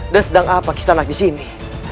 dan sedang apa kisah anak disini